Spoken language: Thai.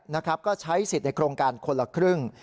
นะครับก็ใช้สิทธิ์ในโครงการคนละครึ่ง